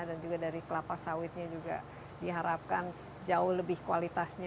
dan juga dari kelapa sawitnya juga diharapkan jauh lebih kualitasnya